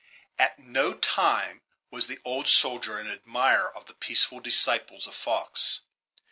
At no time was the old soldier an admirer of the peaceful disciples of Fox.